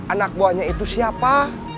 anak buahnya itu siapa